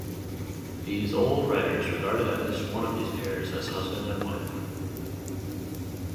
These old writers regarded at least one of these pairs as husband and wife.